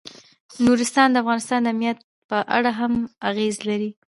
نورستان د افغانستان د امنیت په اړه هم اغېز لري.